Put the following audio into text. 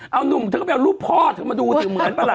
เอานุ่มเธอก็ไปเอารูปพ่อเธอมาดูสิเหมือนปะล่ะ